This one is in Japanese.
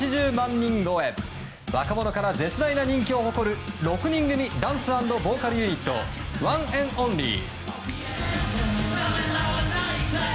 人超え若者から絶大な人気を誇る６人組ダンス＆ボーカルユニットＯＮＥＮ’ＯＮＬＹ。